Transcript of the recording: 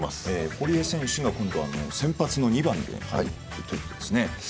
堀江選手が先発の２番でということですよね。